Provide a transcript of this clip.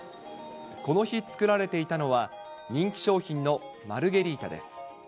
この日作られていたのは、人気商品のマルゲリータです。